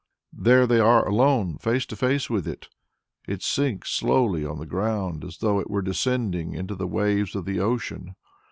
There they are alone, face to face with it. It sinks slowly on the ground as though it were descending into the waves of the ocean.